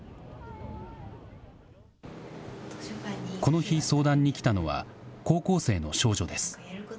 この日、相談に来たのは高校生の少女です。